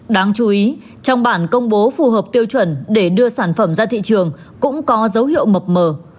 đáng chú ý trong bản công bố phù hợp tiêu chuẩn để đưa sản phẩm ra thị trường cũng có dấu hiệu mập mờ